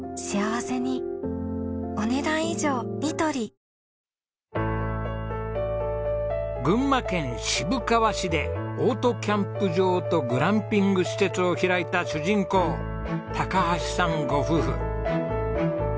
自分らしく秋を楽しもう群馬県渋川市でオートキャンプ場とグランピング施設を開いた主人公高橋さんご夫婦。